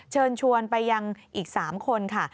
เชิญชวนไปยังอีก๓คนค่ะ